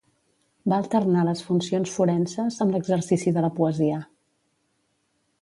Va alternar les funcions forenses amb l'exercici de la poesia.